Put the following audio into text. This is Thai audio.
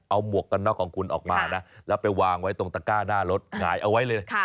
เอาหมวกกันน็อกของคุณออกมานะแล้วไปวางไว้ตรงตะก้าหน้ารถหงายเอาไว้เลย